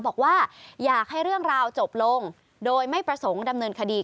บอกว่าอยากให้เรื่องราวจบลงโดยไม่ประสงค์ดำเนินคดี